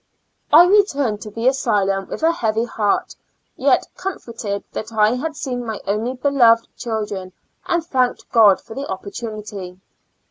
* I returned to the asylum with a heavy heart, yet comforted that I had seen my only beloved children, and thanked God for the opportunity.